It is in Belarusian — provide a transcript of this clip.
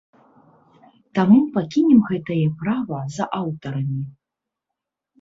Таму пакінем гэтае права за аўтарамі.